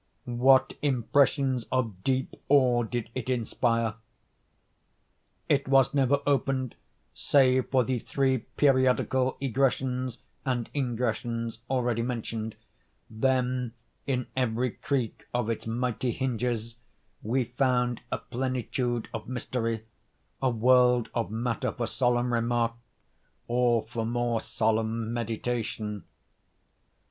What impressions of deep awe did it inspire! It was never opened save for the three periodical egressions and ingressions already mentioned; then, in every creak of its mighty hinges, we found a plenitude of mystery—a world of matter for solemn remark, or for more solemn meditation.